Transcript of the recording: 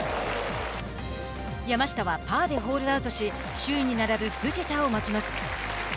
山下はパーでホールアウトし首位に並ぶ藤田を待ちます。